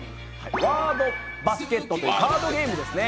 「ワードバスケット」というカードゲームですね。